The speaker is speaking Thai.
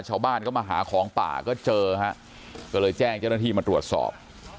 ชาวบ้านก็มาหาของป่าก็เจอฮะก็เลยแจ้งเจ้าหน้าที่มาตรวจสอบ